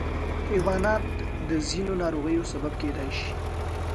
حیوانات د ځینو ناروغیو سبب کېدای شي.